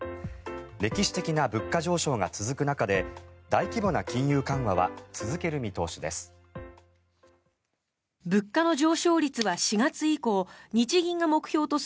歴史的な物価上昇が続く中で大規模な金融緩和は続ける見通しです。